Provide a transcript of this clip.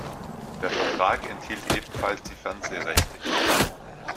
Der Vertrag enthielt ebenfalls die Fernsehrechte.